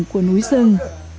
của núi rừng